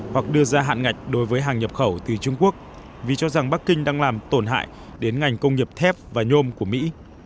hoặc đưa ra hạn ngạch đối với hàng nhập khẩu từ trung quốc vì cho rằng bắc kinh đang làm tổn hại đến ngành công nghiệp thép và nhôm của mỹ